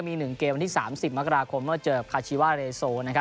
มี๑เกมวันที่๓๐มกราคมเมื่อเจอคาชีวาเรโซ